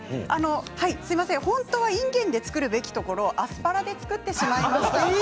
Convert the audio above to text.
本当はいんげんで作るべきところアスパラで作ってしまいました。